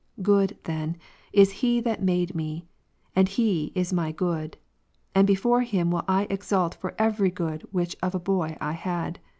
Good, then, is He that made me, and He is my good ; and before Him will I exult for every good which of a boy I had.